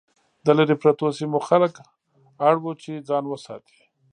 د لرې پرتو سیمو خلک اړ وو چې ځان وساتي.